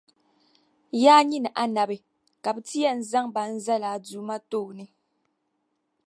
Yaa nyini Annabi! Ka bɛ yɛn ti zaŋ ba n-zali a Duuma tooni.